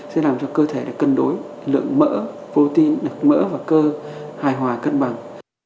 sẽ làm cho cơ thể cân đối lượng mỡ protein mỡ và cơ hài hòa cân bằng